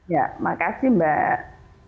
ya makasih mbak